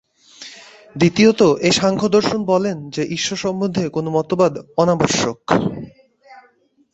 দ্বিতীয়ত এই সাংখ্যদর্শন বলেন যে, ঈশ্বর সম্বন্ধে কোন মতবাদ অনাবশ্যক।